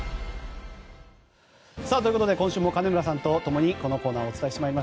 ということで今週も金村さんとともにこのコーナーお伝えしていきます。